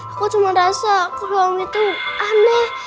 aku cuma rasa kalau om itu aneh